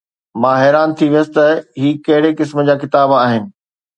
مان حيران ٿي ويس ته هي ڪهڙي قسم جا ڪتاب آهن.